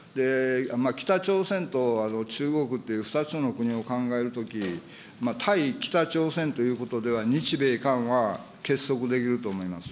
北朝鮮と中国という２つの国を考えるとき、対北朝鮮ということでは、日米韓は結束できると思います。